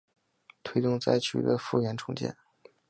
推动灾区的复原重建